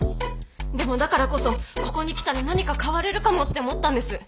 でもだからこそここに来たら何か変われるかもって思ったんです。